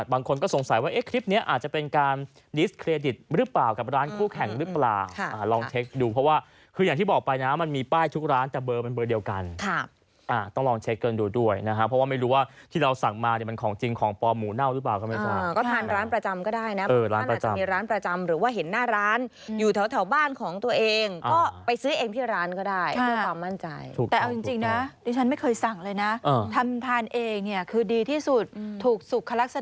บางคนก็สงสัยว่าคลิปนี้อาจจะเป็นการ